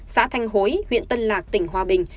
xã thanh hối huyện tân lạc tỉnh hòa bình